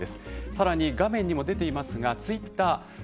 さらに画面にも出ていますがツイッター＃